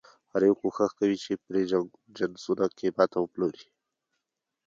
هر یو کوښښ کوي پرې جنسونه قیمته وپلوري.